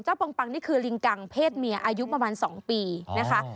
ปังนี่คือลิงกังเพศเมียอายุประมาณ๒ปีนะคะ